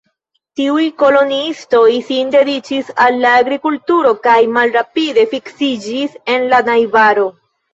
Tiuj koloniistoj sin dediĉis al la agrikulturo kaj malrapide fiksiĝis en la najbaro.